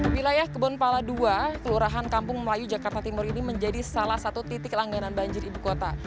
wilayah kebonpala ii kelurahan kampung melayu jakarta timur ini menjadi salah satu titik langganan banjir ibu kota